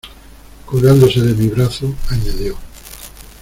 colgándose de mi brazo, añadió: